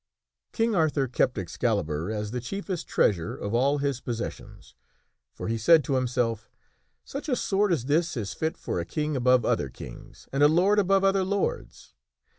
King Arthur kept Excalibur as the chiefest treasure of all his posses sions. For he said to himself, " Such a sword as this is fit for a king above other kings and a lord above other lords.